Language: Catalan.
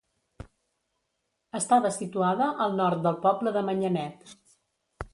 Estava situada al nord del poble de Manyanet.